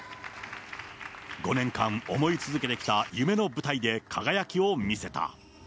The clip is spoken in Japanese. ５年間、思い続けてきた夢の舞台で輝きを見せた。